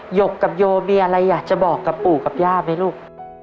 หกกับโยมีอะไรอยากจะบอกกับปู่กับย่าไหมลูก